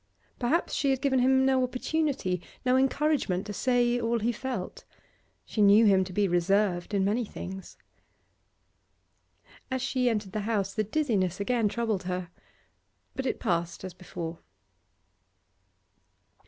Perhaps she had given him no opportunity, no encouragement, to say all he felt; she knew him to be reserved in many things. As she entered the house the dizziness again troubled her. But it passed as before.